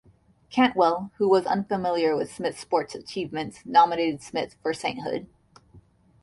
Cantwell, who was unfamiliar with Smith's sports achievements, nominated Smith for sainthood.